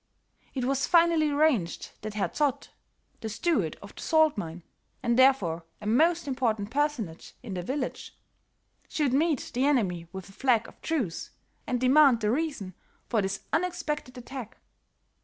It was finally arranged that Herr Zott, the steward of the salt mine, and therefore a most important personage in the village, should meet the enemy with a flag of truce and demand the reason for this unexpected attack.